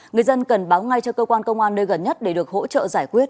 người dân cần báo ngay cho cơ quan công an nơi gần nhất để được hỗ trợ giải quyết